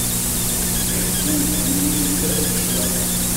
Iban kan tḥemmlemt ccḍeḥ.